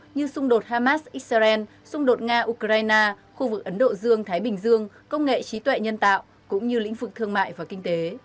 như xung đột hamas israel xung đột nga ukraine khu vực ấn độ dương thái bình dương công nghệ trí tuệ nhân tạo cũng như lĩnh vực thương mại và kinh tế